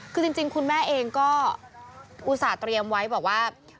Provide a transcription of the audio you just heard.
คือจริงคุณแม่เองก็อุตส่าห์เตรียมไว้บอกว่า